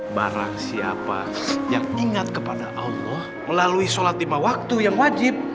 barang siapa yang ingat kepada allah melalui sholat lima waktu yang wajib